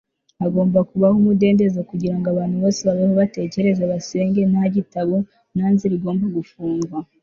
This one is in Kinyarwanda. hagomba kubaho umudendezo kugira ngo abantu bose babeho, batekereze, basenge, nta gitabo, nta nzira igomba gufungwa